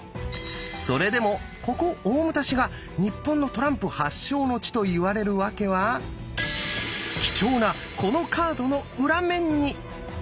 それでもここ大牟田市が日本のトランプ発祥の地と言われる訳は貴重なこのカードの裏面に！